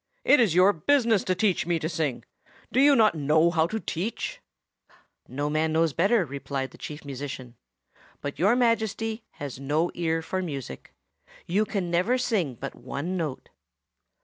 "It is your business to teach me to sing. Do you not know how to teach?" "No man knows better," replied the Chief Musician. "But Your Majesty has no ear for music. You never can sing but one note."